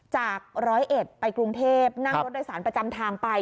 จากร้อยเอ็ดไปกรุงเทพนั่งรถโดยสารประจำทางไป